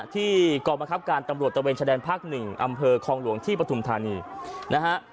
ที่กองบังคับการตำรวจตะเวนชะแดนภาคหนึ่งอำเภอคลองหลวงที่ปฐุมธานีนะฮะ